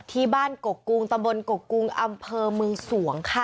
ที่บ้านก๋อกังตะบนก๋อกังอำเภอมือสวงฺฯค่ะ